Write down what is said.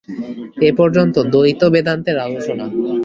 এই পর্যন্ত দ্বৈত বেদান্তের আলোচনা।